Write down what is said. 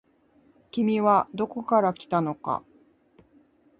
君はどこから来たのか。